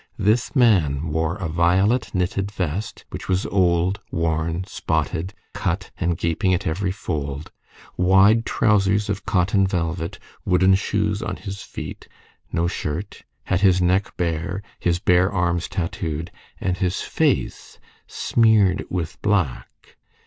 This man wore a violet knitted vest, which was old, worn, spotted, cut and gaping at every fold, wide trousers of cotton velvet, wooden shoes on his feet, no shirt, had his neck bare, his bare arms tattooed, and his face smeared with black.